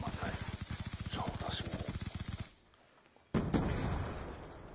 じゃあ私も。